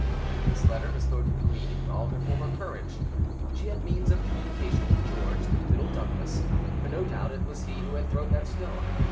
This letter restored to the queen all her former courage: she had means of communication with George through Little Douglas; for no doubt it was he who had thrown that stone.